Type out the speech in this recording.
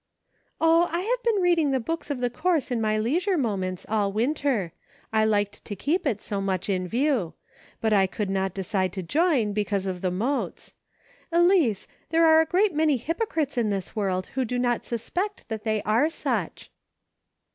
" Oh ! I have been reading the books of the course in my leisure moments, all winter. I liked to keep it so much in view ; but I could not decide to join, because of the motes. Elice, there are a great many hypocrites in this world, who do not suspect that they are such